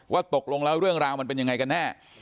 ตกลงแล้วเรื่องราวมันเป็นยังไงกันแน่